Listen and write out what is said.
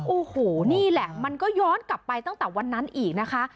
โอ้โหนี่แหละมันก็ย้อนกลับไปตั้งแต่วันนั้นอีกนะคะ